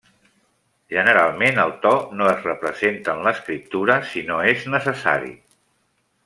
Generalment el to no es representa en l'escriptura si no és necessari.